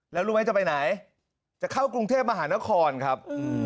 แล้วรู้ไหมจะไปไหนจะเข้ากรุงเทพมหานครครับ